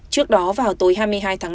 trước đó vào tối hai mươi hai tháng năm